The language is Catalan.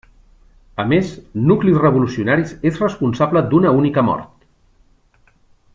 A més, Nuclis Revolucionaris és responsable d'una única mort.